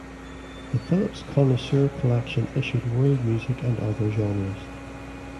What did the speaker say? The "Philips Connoisseur Collection" issued world music and other genres.